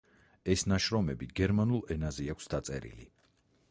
ეს ნაშრომები გერმანულ ენაზე აქვს დაწერილი.